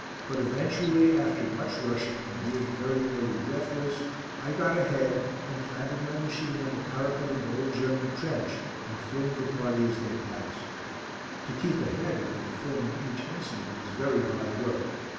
But eventually, after much rushing, and being very nearly breathless, I got ahead, and planted my machine on the parapet of an old German trench and filmed the party as they passed. To keep ahead after filming each incident was very hard work.